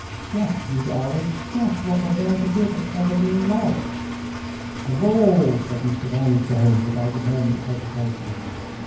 Guess, you darling—guess what they're going to give at Evergreen Lodge!" "A ball!" said Mr. Vanstone, without a moment's hesitation.